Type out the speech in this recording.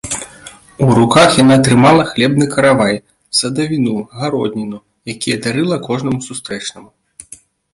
У руках яна трымала хлебны каравай, садавіну, гародніну, якія дарыла кожнаму сустрэчнаму.